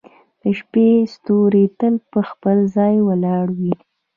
• د شپې ستوري تل په خپل ځای ولاړ وي.